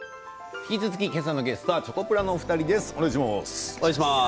引き続き、今朝のゲストはチョコプラのお二人です。